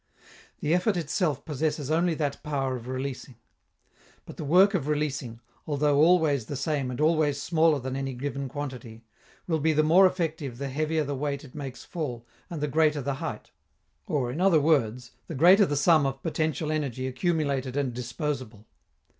The effort itself possesses only that power of releasing. But the work of releasing, although always the same and always smaller than any given quantity, will be the more effective the heavier the weight it makes fall and the greater the height or, in other words, the greater the sum of potential energy accumulated and disposable.